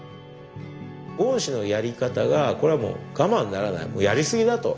ゴーン氏のやり方がこれはもう我慢ならないやりすぎだと。